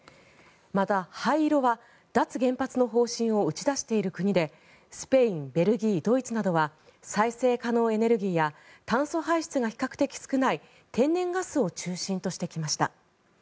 また灰色は脱原発の方針を打ち出している国でスペイン、ベルギードイツなどは再生可能エネルギーや炭素排出が比較的少ない天然ガスを中心としてきました。